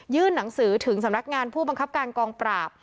หนังสือถึงสำนักงานผู้บังคับการกองปราบ